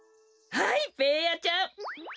はいベーヤちゃん。